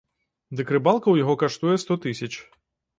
Дык рыбалка ў яго каштуе сто тысяч.